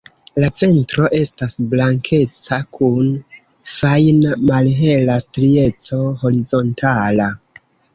La ventro estas blankeca kun fajna malhela strieco horizontala.